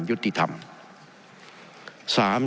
ยุติธรรม